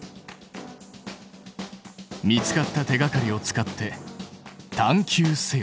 見つかった手がかりを使って探究せよ！